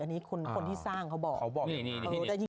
อันนี้คนที่สร้างเค้าบอกเค้าบอกนี่นี่